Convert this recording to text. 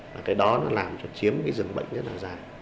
cái đó nó làm cho chiếm cái dường bệnh rất là dài